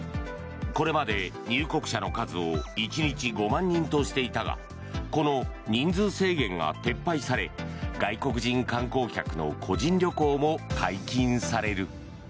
これまで入国者の数を１日５万人としていたがこの人数制限が撤廃され外国人観光客の個人旅行も解禁される。